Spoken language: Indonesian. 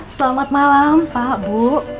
selamat malam pak bu